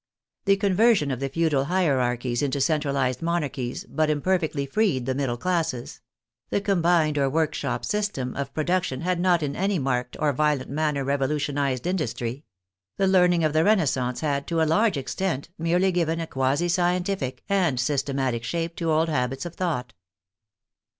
The conversion of the feudal hierarchies into centralized monarchies but imperfectly freed the middle classes ; the combined or workshop system of pro duction had not in any marked or violent manner revolu tionized industry; the learning of the renaissance had, to a large extent, merely given a quasi scientific and systematic shape to old habits of thought.